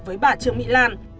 với bà trương mỹ lan